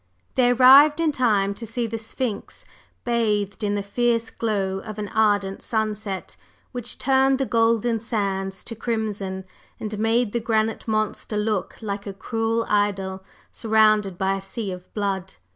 They arrived in time to see the Sphinx bathed in the fierce glow of an ardent sunset, which turned the golden sands to crimson, and made the granite monster look like a cruel idol surrounded by a sea of blood.